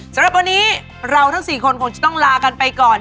สำหรับวันนี้เราทั้ง๔คนคงจะต้องลากันไปก่อน